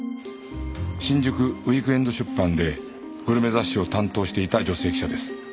新宿ウィークエンド出版でグルメ雑誌を担当していた女性記者です。